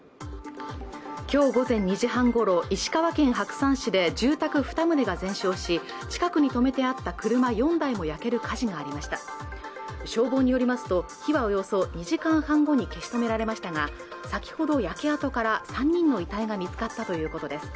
きょう午前２時半ごろ石川県白山市で住宅二棟が全焼し近くに止めてあった車４台も焼ける火事がありました消防によりますと火はおよそ２時間半後に消し止められましたが先ほど焼け跡から３人の遺体が見つかったということです